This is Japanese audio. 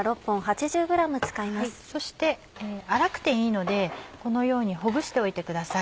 そして粗くていいのでこのようにほぐしておいてください。